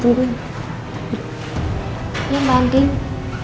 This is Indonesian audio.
kau pernah liat foto ini